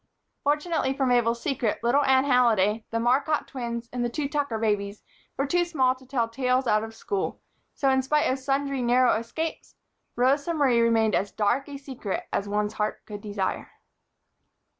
Fortunately for Mabel's secret, little Anne Halliday, the Marcotte twins and the two Tucker babies were too small to tell tales out of school, so in spite of sundry narrow escapes, Rosa Marie remained as dark a secret as one's heart could desire.